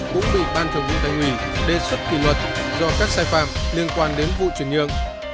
cũng bị ban thường vụ thành ủy đề xuất kỷ luật do các sai phạm liên quan đến vụ chuyển nhượng